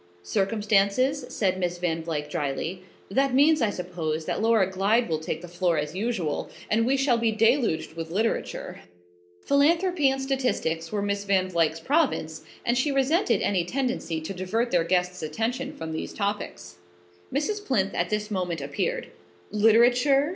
"Circumstances?" said Miss Van Vluyck drily. "That means, I suppose, that Laura Glyde will take the floor as usual, and we shall be deluged with literature." Philanthropy and statistics were Miss Van Vluyck's province, and she resented any tendency to divert their guest's attention from these topics. Mrs. Plinth at this moment appeared. "Literature?"